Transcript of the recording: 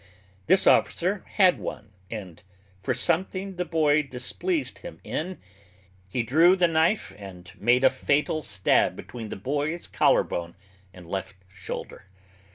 This officer had one, and for something the boy displeased him in, he drew the knife and made a fatal stab between the boy's collar bone and left shoulder.